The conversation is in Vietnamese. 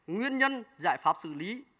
nguyên nhân giải pháp xử lý